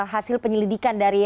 hasil penyelidikan dari